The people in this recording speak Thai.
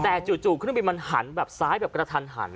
แต่จู่เครื่องบินมันหันแบบซ้ายแบบกระทันหัน